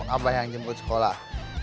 abah yang jemput sekolah